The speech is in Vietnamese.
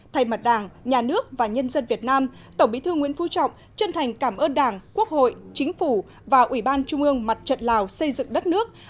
thay mặt đảng nhà nước và nhân dân việt nam tổng bí thư nguyễn phú trọng chân thành cảm ơn đảng quốc hội chính phủ và ủy ban trung ương mặt trận lào xây dựng đất nước